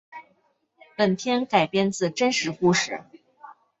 本片改编自真实故事。